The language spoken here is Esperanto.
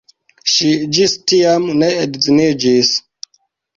Ŝi ĝis tiam ne edziniĝis.